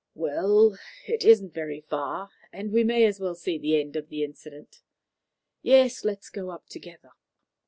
"Well, it isn't very far, and we may as well see the end of the incident. Yes; let us go together."